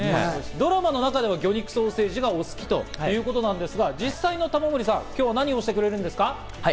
ドラマの中で魚肉ソーセージがお好きということですが、実際の玉森さん、今日は何を推してくれるんですか？